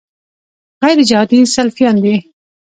غیرجهادي سلفیان دي.